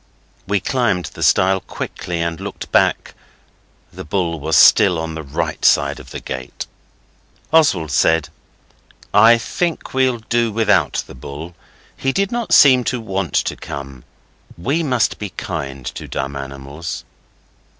We climbed the stile quickly and looked back; the bull was still on the right side of the gate. Oswald said, 'I think we'll do without the bull. He did not seem to want to come. We must be kind to dumb animals.